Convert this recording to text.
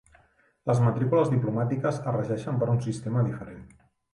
Les matrícules diplomàtiques es regeixen per un sistema diferent.